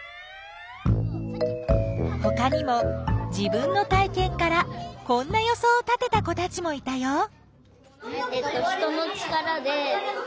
ほかにも自分の体験からこんな予想を立てた子たちもいたよ。